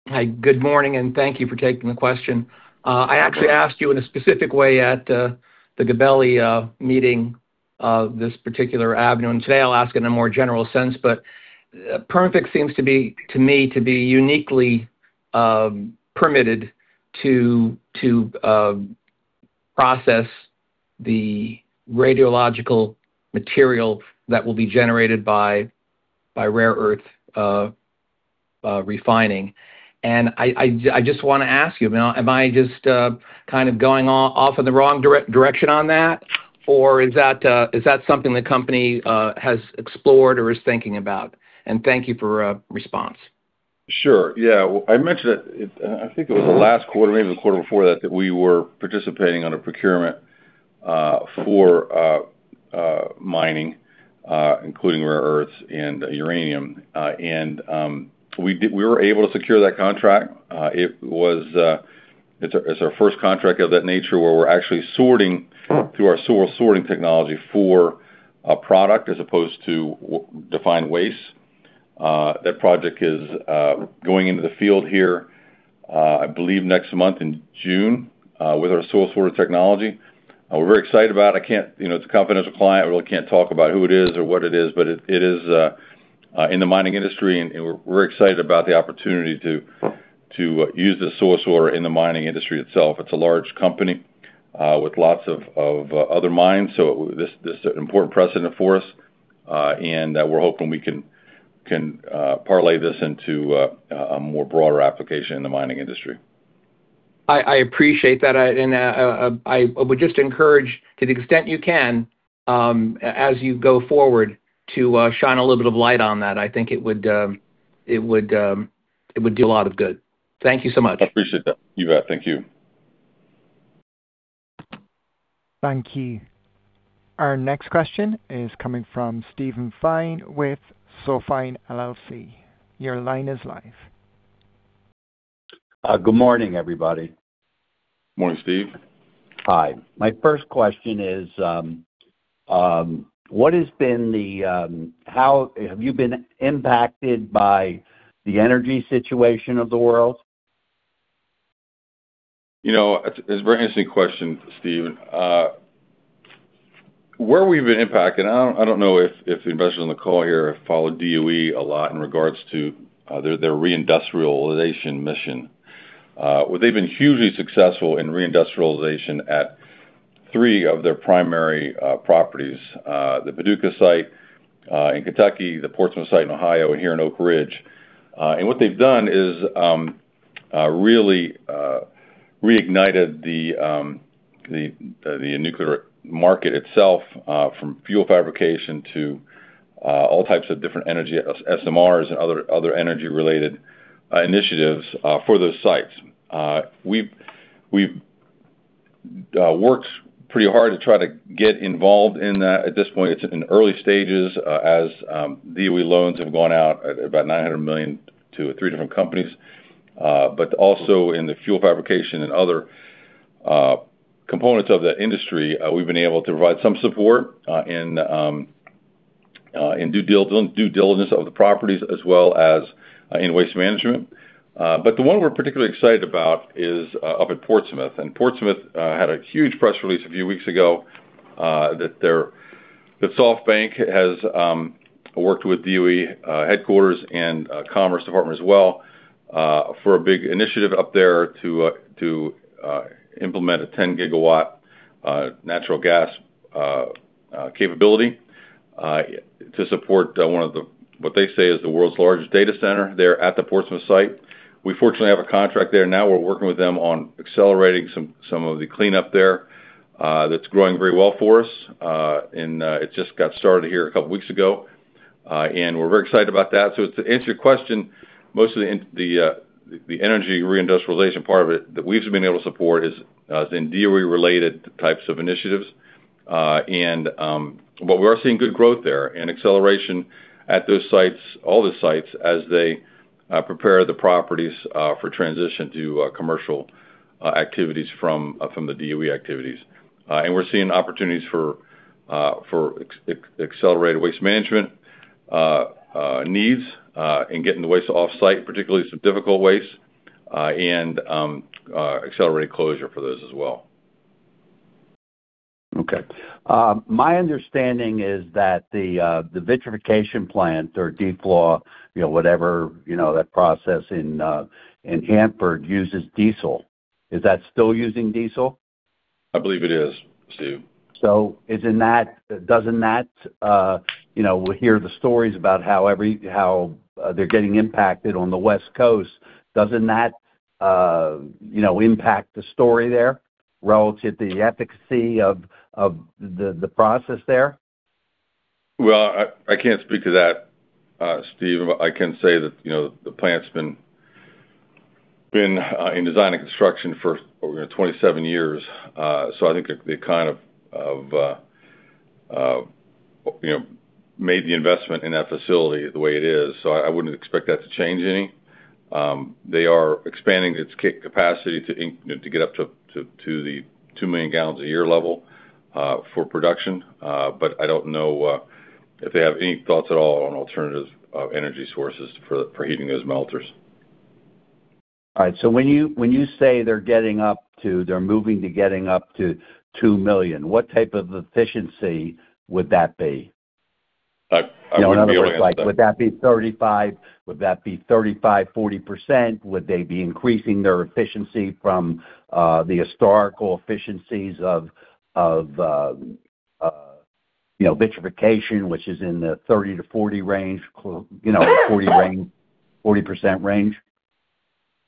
Speaker 7: Hi. Good morning, and thank you for taking the question. I actually asked you in a specific way at the Gabelli meeting, this particular avenue, and today I'll ask in a more general sense, but Perma-Fix seems to be, to me, to be uniquely permitted to process the radiological material that will be generated by rare earth refining. I just wanna ask you, am I just kind of going off in the wrong direction on that? Or is that something the company has explored or is thinking about? Thank you for a response.
Speaker 3: Well, I mentioned it, I think it was the last quarter, maybe the quarter before that we were participating on a procurement for mining, including rare earths and uranium. We were able to secure that contract. It was our first contract of that nature where we're actually sorting through our sorting technology for a product as opposed to defined waste. That project is going into the field here, I believe next month in June, with our sorting technology. We're very excited about it. I can't. You know, it's a confidential client. We really can't talk about who it is or what it is, but it is in the mining industry. We're excited about the opportunity to use the sorter in the mining industry itself. It's a large company, with lots of other mines, so this is an important precedent for us. We're hoping we can parlay this into a more broader application in the mining industry.
Speaker 7: I appreciate that. I would just encourage to the extent you can, as you go forward to shine a little bit of light on that. I think it would do a lot of good. Thank you so much.
Speaker 3: I appreciate that. You bet. Thank you.
Speaker 1: Thank you. Our next question is coming from Steven Fine with SoFine LLC. Your line is live.
Speaker 8: Good morning, everybody.
Speaker 3: Morning, Steve.
Speaker 8: Hi. My first question is, how have you been impacted by the energy situation of the world?
Speaker 3: You know, it's a very interesting question, Steve. Where we've been impacted, I don't know if the investors on the call here have followed DOE a lot in regards to their reindustrialization mission. Where they've been hugely successful in reindustrialization at three of their primary properties, the Paducah site in Kentucky, the Portsmouth site in Ohio, and here in Oak Ridge. What they've done is really reignited the nuclear market itself from fuel fabrication to all types of different energy S-SMRs and other energy-related initiatives for those sites. We've worked pretty hard to try to get involved in that. At this point, it's in early stages, as DOE loans have gone out at about $900 million to three different companies. But also in the fuel fabrication and other components of that industry, we've been able to provide some support in due diligence of the properties as well as in waste management. But the one we're particularly excited about is up at Portsmouth. Portsmouth had a huge press release a few weeks ago that SoftBank has worked with DOE headquarters and Commerce Department as well for a big initiative up there to implement a 10 GW natural gas capability to support one of the what they say is the world's largest data center there at the Portsmouth site. We fortunately have a contract there now. We're working with them on accelerating some of the cleanup there, that's growing very well for us. It just got started here a couple of weeks ago. We're very excited about that. To answer your question, most of the energy reindustrialization part of it that we've been able to support is in DOE-related types of initiatives. We are seeing good growth there and acceleration at those sites, all the sites as they prepare the properties for transition to commercial activities from the DOE activities. We're seeing opportunities for accelerated waste management needs in getting the waste off-site, particularly some difficult waste, and accelerated closure for those as well.
Speaker 8: Okay. My understanding is that the vitrification plant or DFLAW, you know, whatever, you know, that process in Hanford uses diesel. Is that still using diesel?
Speaker 3: I believe it is, Steven.
Speaker 8: Isn't that, you know, we hear the stories about how they're getting impacted on the West Coast? Doesn't that, you know, impact the story there relative to the efficacy of the process there?
Speaker 3: Well, I can't speak to that, Steve. I can say that, you know, the plant's been in design and construction for over 27 years. I think they kind of, you know, made the investment in that facility the way it is. I wouldn't expect that to change any. They are expanding its capacity to get up to the 2 million gal a year level for production. I don't know if they have any thoughts at all on alternative energy sources for heating those melters.
Speaker 8: All right. When you say they're moving to getting up to 2 million gal, what type of efficiency would that be?
Speaker 3: I wouldn't be able to answer that.
Speaker 8: You know, in other words, like, would that be 35? Would that be 35%, 40%? Would they be increasing their efficiency from the historical efficiencies of You know, vitrification, which is in the 30%-40% range, you know, 40% range, 40% range.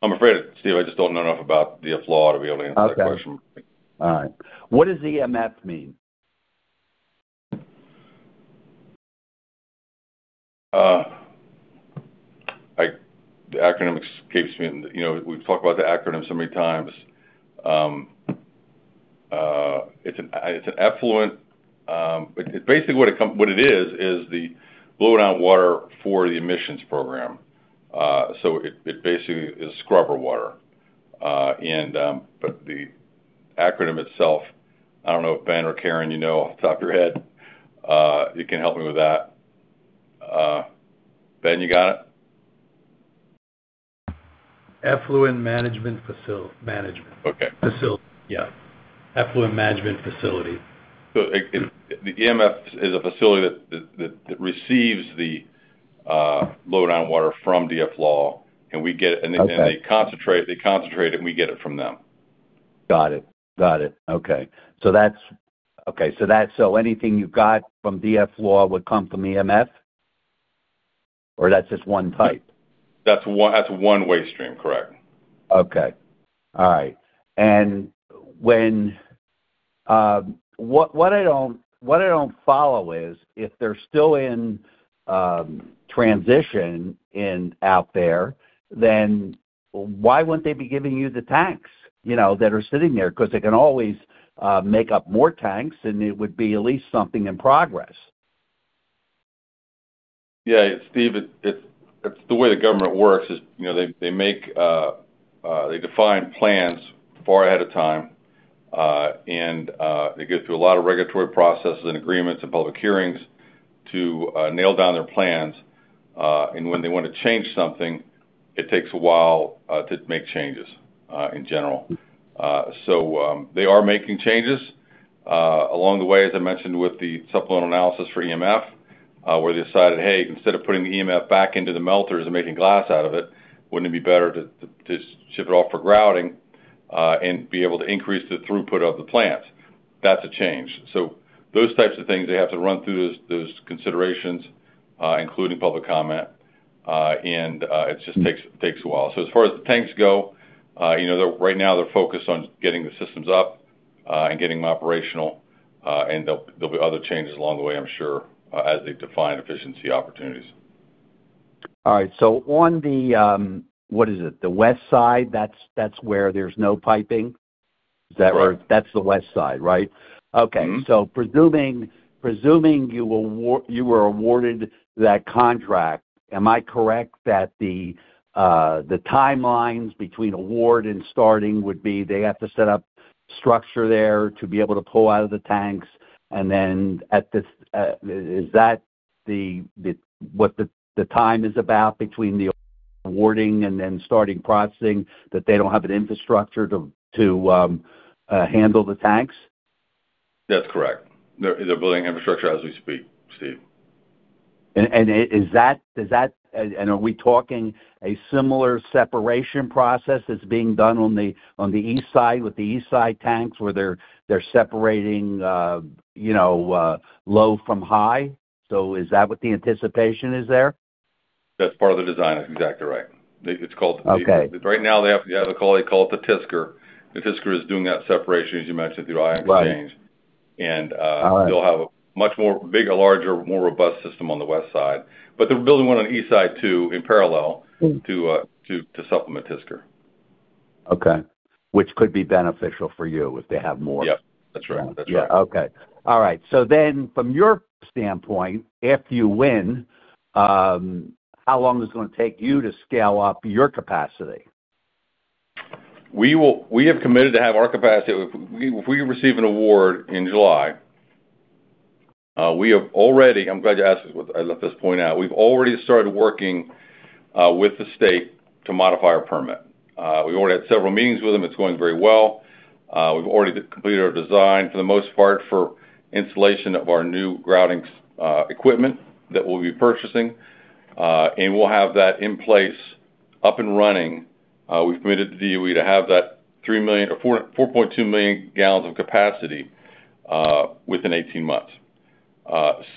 Speaker 3: I'm afraid, Steven, I just don't know enough about the DFLAW to be able to answer that question.
Speaker 8: Okay. All right. What does EMF mean?
Speaker 3: I. The acronym escapes me. You know, we've talked about the acronym so many times. It's an, it's an effluent. Basically, what it is the blow-down water for the emissions program. So it basically is scrubber water. The acronym itself, I don't know if Ben or Karen you know off the top of your head, you can help me with that. Ben, you got it?
Speaker 4: Effluent Management Facility.
Speaker 3: Okay.
Speaker 4: Facility.
Speaker 3: Yeah.
Speaker 4: Effluent Management Facility.
Speaker 3: The EMF is a facility that receives the blow-down water from DFLAW.
Speaker 8: Okay.
Speaker 3: They concentrate it, and we get it from them.
Speaker 8: Got it. Okay. So that's. Anything you got from DFLAW would come from EMF? That's just one type?
Speaker 3: That's one waste stream, correct.
Speaker 8: Okay. All right. When what I don't follow is, if they're still in transition in out there, why wouldn't they be giving you the tanks, you know, that are sitting there? 'Cause they can always make up more tanks, it would be at least something in progress.
Speaker 3: Yeah. Steve, it's the way the government works is, you know, they make, they define plans far ahead of time, and they go through a lot of regulatory processes and agreements and public hearings to nail down their plans. When they want to change something, it takes a while to make changes in general. They are making changes along the way, as I mentioned, with the supplemental analysis for EMF, where they decided, "Hey, instead of putting the EMF back into the melters and making glass out of it, wouldn't it be better to ship it off for grouting and be able to increase the throughput of the plant?" That's a change. Those types of things, they have to run through those considerations, including public comment, and it just takes a while. As far as the tanks go, you know, right now they're focused on getting the systems up and getting them operational, and there'll be other changes along the way, I'm sure, as they define efficiency opportunities.
Speaker 8: All right. On the, what is it? The west side, that's where there's no piping?
Speaker 3: Right.
Speaker 8: That's the west side, right? Okay. Presuming you were awarded that contract, am I correct that the timelines between award and starting would be they have to set up structure there to be able to pull out of the tanks, and then at this is that the what the time is about between the awarding and then starting processing that they don't have an infrastructure to handle the tanks?
Speaker 3: That's correct. They're building infrastructure as we speak, Steve.
Speaker 8: Are we talking a similar separation process that's being done on the east side with the east side tanks, where they're separating, you know, low from high? Is that what the anticipation is there?
Speaker 3: That's part of the design. That's exactly right. It's called the...
Speaker 8: Okay.
Speaker 3: Right now, they have a call they call it the TSCR. The TSCR is doing that separation, as you mentioned, through ion exchange.
Speaker 8: Right.
Speaker 3: And, uh-
Speaker 8: All right.
Speaker 3: They'll have a much more bigger, larger, more robust system on the west side. They're building one on the east side too in parallel to supplement TSCR.
Speaker 8: Okay. Which could be beneficial for you if they have more.
Speaker 3: Yep. That's right. That's right.
Speaker 8: Yeah. Okay. All right. From your standpoint, if you win, how long is it gonna take you to scale up your capacity?
Speaker 3: We have committed to have our capacity if we receive an award in July. I'm glad you asked this. Let's just point out. We've already started working with the state to modify our permit. We've already had several meetings with them. It's going very well. We've already completed our design for the most part for installation of our new grouting equipment that we'll be purchasing. We'll have that in place, up and running. We've committed to DOE to have that 3 million gal or 4.2 million gal of capacity within 18 months.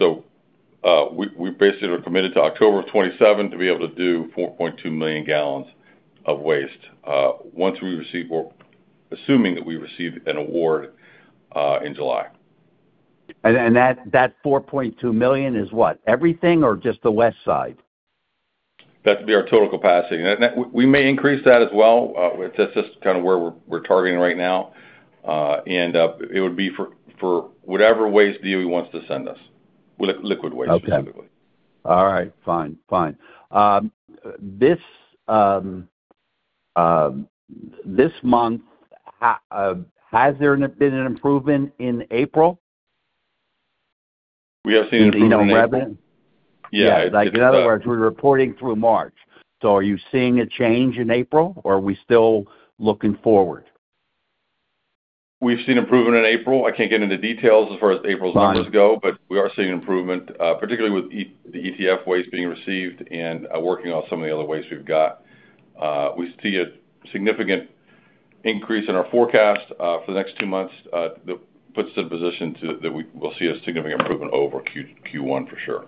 Speaker 3: We basically are committed to October of 2027 to be able to do 4.2 million gal of waste once we receive more assuming that we receive an award in July.
Speaker 8: That 4.2 million gal is what? Everything or just the west side?
Speaker 3: That's their total capacity. That we may increase that as well. It's just kinda where we're targeting right now. It would be for whatever waste DOE wants to send us. Well, liquid waste specifically.
Speaker 8: Okay. All right. Fine. This month, has there been an improvement in April?
Speaker 3: We have seen improvement in April.
Speaker 8: Do you know, revenue?
Speaker 3: Yeah.
Speaker 8: Yeah. Like, in other words, we're reporting through March. Are you seeing a change in April, or are we still looking forward?
Speaker 3: We've seen improvement in April. I can't get into details as far as April's numbers go.
Speaker 8: Fine.
Speaker 3: We are seeing improvement, particularly with the ETF waste being received and working on some of the other waste we've got. We see a significant increase in our forecast for the next two months that puts us in a position to that we will see a significant improvement over Q1 for sure.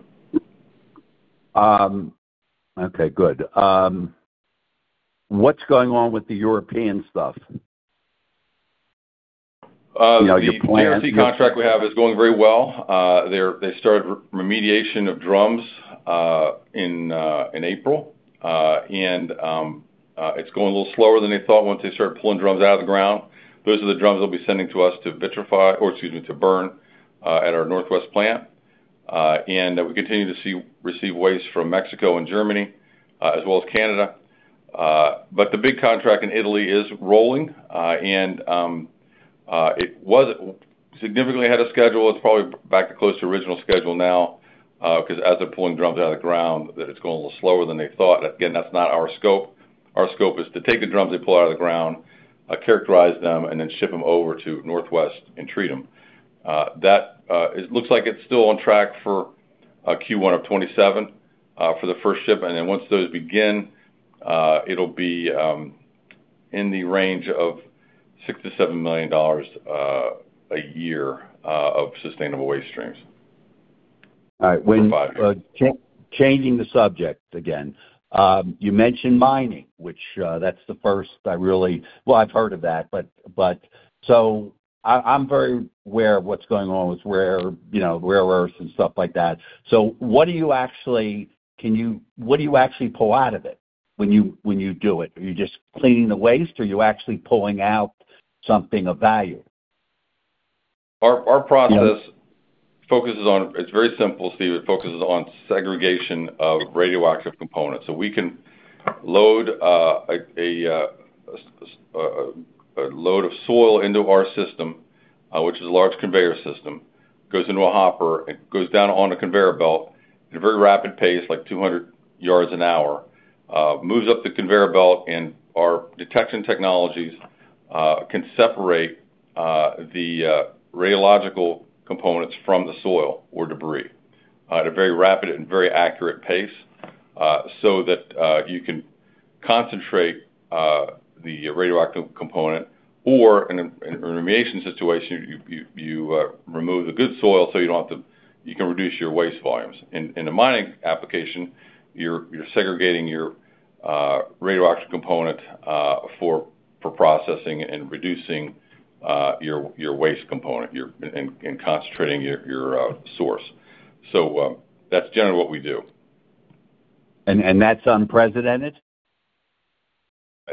Speaker 8: Okay, good. What's going on with the European stuff?
Speaker 3: Uh, the-
Speaker 8: You know, your plan with-
Speaker 3: The NRC contract we have is going very well. They started remediation of drums in April. It's going a little slower than they thought once they started pulling drums out of the ground. Those are the drums they'll be sending to us to vitrify or excuse me, to burn at our Northwest plant. We continue to receive waste from Mexico and Germany, as well as Canada. The big contract in Italy is rolling. It was significantly ahead of schedule. It's probably back to close to original schedule now, 'cause as they're pulling drums out of the ground that it's going a little slower than they thought. Again, that's not our scope. Our scope is to take the drums they pull out of the ground, characterize them, and then ship them over to Northwest and treat them. It looks like it's still on track for Q1 of 2027 for the first ship. Once those begin, it'll be in the range of $6 million-$7 million a year of sustainable waste streams.
Speaker 8: All right.
Speaker 3: For five years.
Speaker 8: Changing the subject again. You mentioned mining, which, that's the first I really Well, I've heard of that, but I'm very aware of what's going on with rare, you know, rare earths and stuff like that. What do you actually pull out of it when you, when you do it? Are you just cleaning the waste, or you actually pulling out something of value?
Speaker 3: Our process-
Speaker 8: You know-
Speaker 3: ...focuses on, it's very simple, Steve. It focuses on segregation of radioactive components. We can load a load of soil into our system, which is a large conveyor system. Goes into a hopper and goes down on a conveyor belt at a very rapid pace, like 200 yards an hour. Moves up the conveyor belt, and our detection technologies can separate the radiological components from the soil or debris at a very rapid and very accurate pace, so that you can concentrate the radioactive component. Or in a remediation situation, you remove the good soil so you can reduce your waste volumes. In a mining application, you're segregating your radioactive component for processing and reducing your waste component and concentrating your source. That's generally what we do.
Speaker 8: That's unprecedented?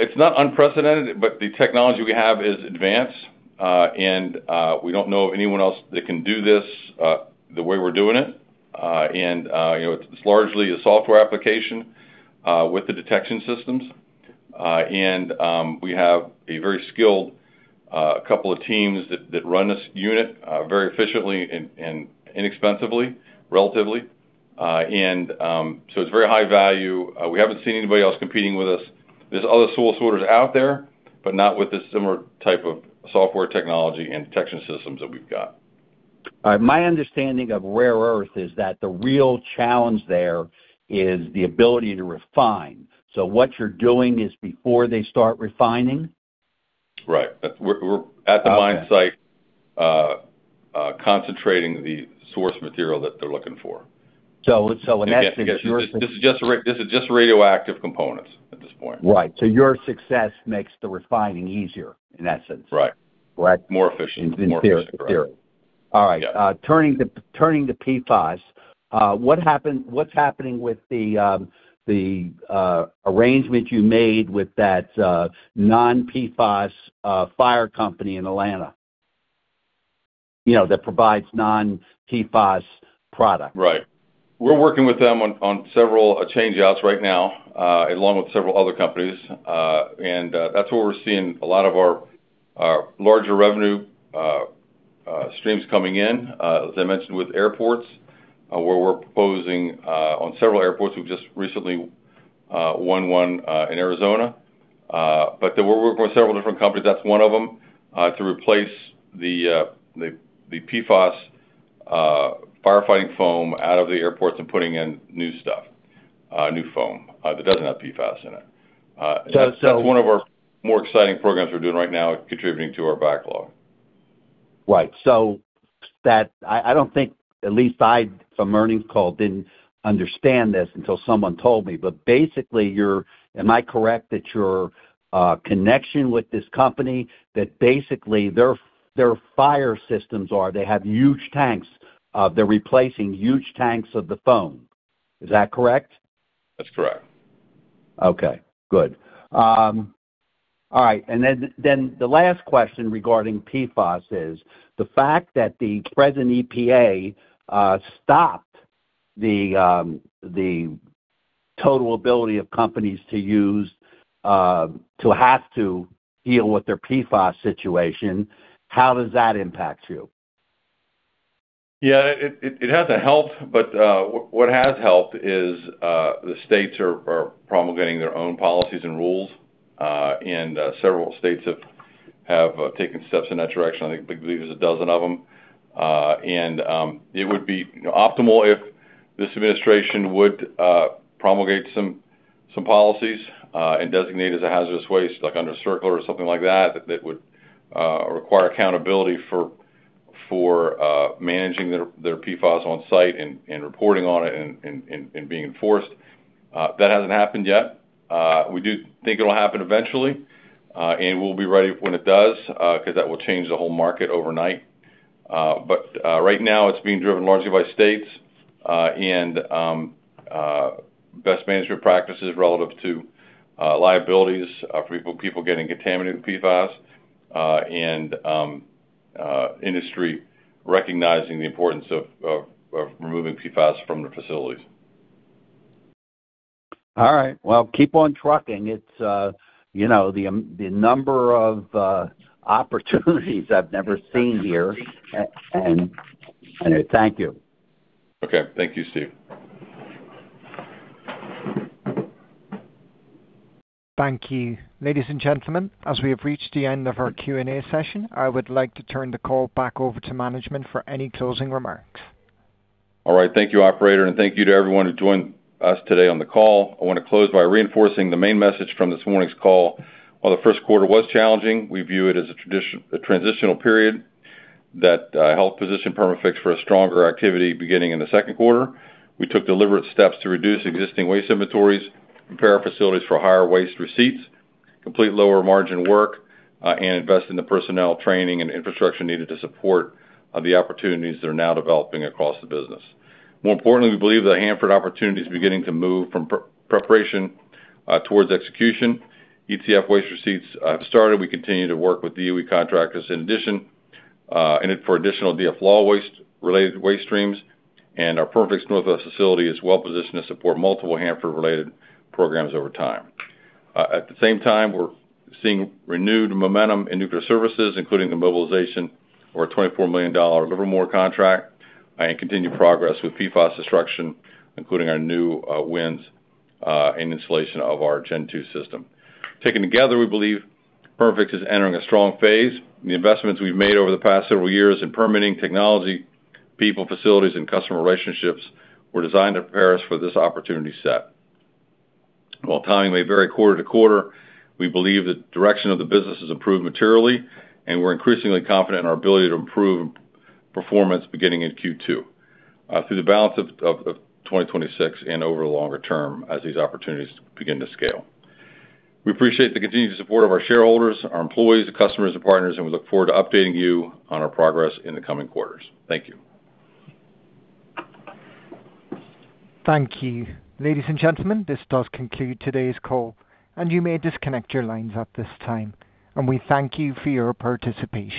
Speaker 3: It's not unprecedented, but the technology we have is advanced. We don't know of anyone else that can do this, the way we're doing it. You know, it's largely a software application, with the detection systems. We have a very skilled, couple of teams that run this unit, very efficiently and inexpensively, relatively. It's very high value. We haven't seen anybody else competing with us. There's other soil sorters out there, but not with the similar type of software technology and detection systems that we've got.
Speaker 8: All right. My understanding of rare earth is that the real challenge there is the ability to refine. What you're doing is before they start refining?
Speaker 3: Right. That we're-
Speaker 8: Okay.
Speaker 3: ...at the mine site, concentrating the source material that they're looking for.
Speaker 8: So, so in that sense, your-
Speaker 3: Again, this is just radioactive components at this point.
Speaker 8: Right. Your success makes the refining easier, in essence.
Speaker 3: Right.
Speaker 8: Correct?
Speaker 3: More efficient. More efficient, correct.
Speaker 8: In theory. All right.
Speaker 3: Yeah.
Speaker 8: Turning to PFAS. What's happening with the arrangement you made with that non-PFAS fire company in Atlanta? You know, that provides non-PFAS product.
Speaker 3: Right. We're working with them on several change outs right now, along with several other companies. That's where we're seeing a lot of our larger revenue streams coming in, as I mentioned, with airports, where we're proposing on several airports. We've just recently won one in Arizona. We're working with several different companies, that's one of them, to replace the PFAS firefighting foam out of the airports and putting in new stuff, new foam, that doesn't have PFAS in it.
Speaker 8: So, so-
Speaker 3: That's one of our more exciting programs we're doing right now, contributing to our backlog.
Speaker 8: Right. That I don't think, at least I'd from earnings call, didn't understand this until someone told me, but basically Am I correct that your connection with this company, that basically their fire systems are, they have huge tanks, they're replacing huge tanks of the foam. Is that correct?
Speaker 3: That's correct.
Speaker 8: Okay. Good. All right. Then the last question regarding PFAS is the fact that the present EPA stopped the total ability of companies to use to have to deal with their PFAS situation, how does that impact you?
Speaker 3: Yeah, it doesn't help, what has helped is the states are promulgating their own policies and rules. Several states have taken steps in that direction. I believe there's 12 of them. It would be optimal if this administration would promulgate some policies and designate as a hazardous waste, like under a CERCLA or something like that would require accountability for managing their PFAS on site and reporting on it and being enforced. That hasn't happened yet. We do think it'll happen eventually, we'll be ready when it does, 'cause that will change the whole market overnight. Right now it's being driven largely by states, and best management practices relative to liabilities, for people getting contaminated with PFAS, and industry recognizing the importance of removing PFAS from their facilities.
Speaker 8: All right. Well, keep on trucking. It's, you know, the number of opportunities I've never seen here. And anyway, thank you.
Speaker 3: Okay. Thank you, Steven.
Speaker 1: Thank you. Ladies and gentlemen, as we have reached the end of our Q&A session, I would like to turn the call back over to management for any closing remarks.
Speaker 3: All right. Thank you, operator, and thank you to everyone who joined us today on the call. I wanna close by reinforcing the main message from this morning's call. While the first quarter was challenging, we view it as a transitional period that help position Perma-Fix for a stronger activity beginning in the second quarter. We took deliberate steps to reduce existing waste inventories, prepare our facilities for higher waste receipts, complete lower margin work, and invest in the personnel training and infrastructure needed to support the opportunities that are now developing across the business. More importantly, we believe the Hanford opportunity is beginning to move from preparation towards execution. ETF waste receipts have started. We continue to work with DOE contractors in addition, and for additional DFLAW waste related waste streams, and our Perma-Fix Northwest facility is well-positioned to support multiple Hanford related programs over time. At the same time, we're seeing renewed momentum in nuclear services, including the mobilization of our $24 million Livermore contract and continued progress with PFAS destruction, including our new wins in installation of our second-generation treatment unit. Taken together, we believe Perma-Fix is entering a strong phase. The investments we've made over the past several years in permitting technology, people, facilities, and customer relationships were designed to prepare us for this opportunity set. While timing may vary quarter to quarter, we believe the direction of the business has improved materially, and we're increasingly confident in our ability to improve performance beginning in Q2, through the balance of 2026 and over the longer term as these opportunities begin to scale. We appreciate the continued support of our shareholders, our employees, the customers, and partners, and we look forward to updating you on our progress in the coming quarters. Thank you.
Speaker 1: Thank you. Ladies and gentlemen, this does conclude today's call. You may disconnect your lines at this time. We thank you for your participation.